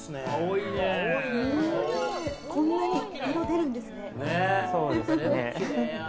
こんなに色が出るんですね。